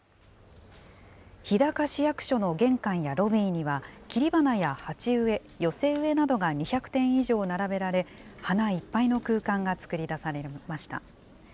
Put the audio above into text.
日高市役所の玄関やロビーには、切り花や鉢植え、寄せ植えなどが２００点以上並べられ、花いっぱいの空間が作り出されました。